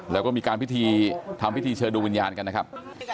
แล้วก็มีการพิธีทำพิธีเชิญดูวิญญาณกันนะครับ